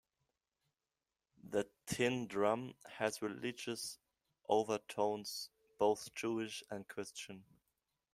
"The Tin Drum" has religious overtones, both Jewish and Christian.